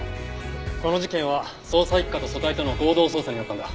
この事件は捜査一課と組対との合同捜査になったんだ。